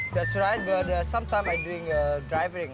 betul tapi kadang kadang saya melakukan pengendali seperti itu